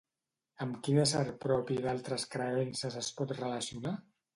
Amb quin ésser propi d'altres creences es pot relacionar?